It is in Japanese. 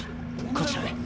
こちらへ。